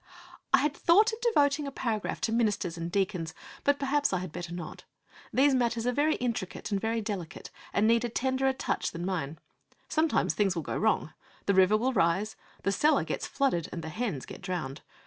I had thought of devoting a paragraph to ministers and deacons. But perhaps I had better not. These matters are very intricate and very delicate, and need a tenderer touch than mine. Things will sometimes go wrong. The river will rise. The cellar gets flooded, and the hens get drowned.